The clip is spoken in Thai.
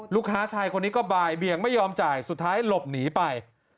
ลูกค้าชายคนนี้ก็บ่ายเบียงไม่ยอมจ่ายสุดท้ายหลบหนีไป